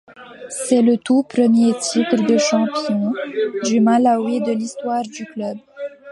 C'est le tout premier titre de champion du Malawi de l'histoire du club.